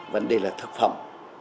vấn đề là thực phẩm